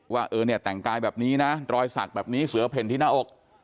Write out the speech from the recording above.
ว่าเออเนี่ยแต่งกายแบบนี้นะรอยสักแบบนี้เสือเพ่นที่หน้าอก